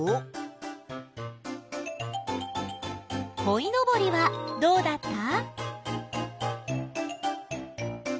こいのぼりはどうだった？